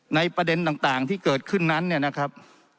ประเด็นต่างที่เกิดขึ้นนั้นเนี่ยนะครับ